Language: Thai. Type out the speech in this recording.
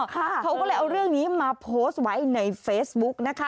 เขาก็เลยเอาเรื่องนี้มาโพสต์ไว้ในเฟซบุ๊กนะคะ